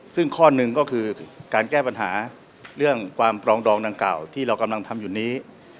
ซึ่งข้อหนึ่งก็คือการแก้ปัญหาเรื่องความปรองดองดังกล่าวที่เรากำลังทำอยู่นี้